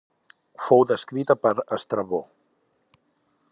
Fou descrita per Estrabó.